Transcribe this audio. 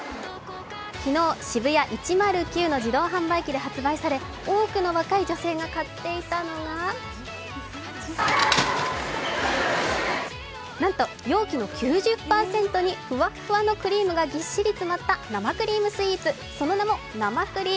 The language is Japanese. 昨日、ＳＨＩＢＵＹＡ１０９の自動販売機で発売され、多くの若い女性が買っていたのがなんと容器の９０％にふわっふわの生クリームがぎっしり詰まった生クリームスイーツ、その名も、なまくり。